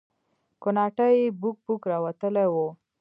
کوناټي يې بوک بوک راوتلي وو.